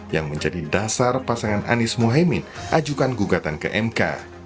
yang menjadi dasar pasangan anies mohaimin ajukan gugatan ke mk